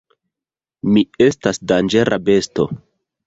"Mi estas danĝera besto!"